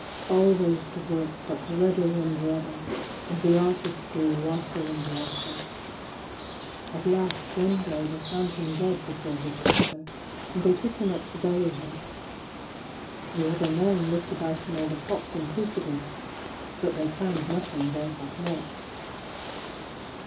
Always the work got redder and redder, and the artist grew whiter and whiter. At last one day they found him dead before his picture, and they took him up to bury him. The other men looked about in all the pots and crucibles, but they found nothing they had not.